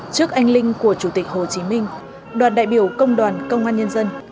trước anh linh của chủ tịch hồ chí minh đoàn đại biểu công đoàn công an nhân dân